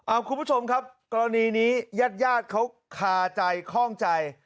อ้าวคุณผู้ชมครับกรณีนี้ญาติเขาขาใจคล่องใจ